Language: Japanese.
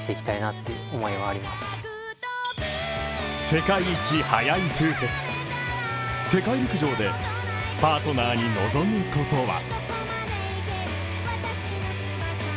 世界一速い夫婦、世界陸上でパートナーに望むことは。